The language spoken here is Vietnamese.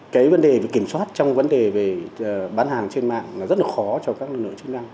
cái vấn đề kiểm soát trong vấn đề bán hàng trên mạng rất khó cho các nội chức năng